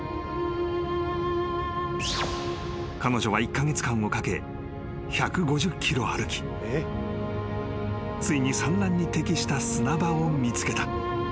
［彼女は１カ月間をかけ１５０ｋｍ歩きついに産卵に適した砂場を見つけた］